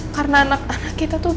karena anak anak kita tuh